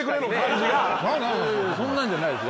いやいやそんなんじゃないです